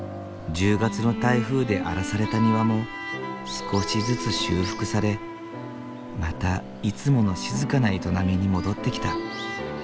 １０月の台風で荒らされた庭も少しずつ修復されまたいつもの静かな営みに戻ってきた。